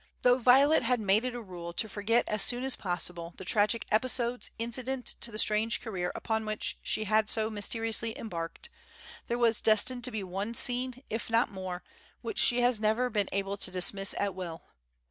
Though Violet had made it a rule to forget as soon as possible the tragic episodes incident to the strange career upon which she had so mysteriously embarked, there was destined to be one scene, if not more, which she has never been able to dismiss at will.